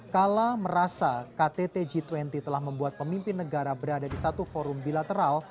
kala merasa ktt g dua puluh telah membuat pemimpin negara berada di satu forum bilateral